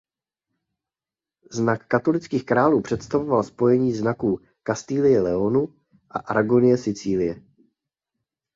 Znak katolických králů představoval spojení znaků Kastilie–Leónu a Aragonie–Sicílie.